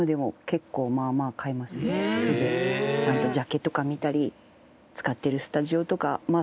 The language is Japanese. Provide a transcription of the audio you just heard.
ちゃんとジャケとか見たり使ってるスタジオとかまあ